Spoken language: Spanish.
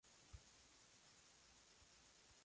Esto es muy triste."".